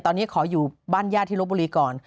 ตอนนี้ขออยู่บ้านญาติที่ลบบุรีก่อน